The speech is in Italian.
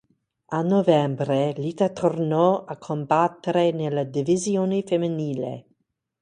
A novembre, Lita tornò a combattere nella divisione femminile.